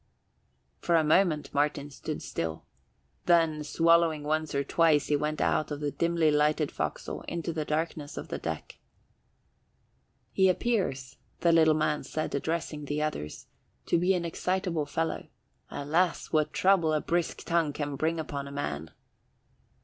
For a moment Martin stood still, then, swallowing once or twice, he went out of the dimly lighted forecastle into the darkness of the deck. "He appears," the little man said, addressing the others, "to be an excitable fellow. Alas, what trouble a brisk tongue can bring upon a man!"